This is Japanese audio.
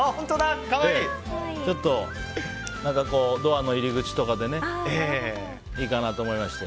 ちょっと、ドアの入り口とかでねいいかなと思いまして。